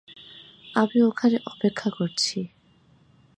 আমি ওখানে অপেক্ষা করছি।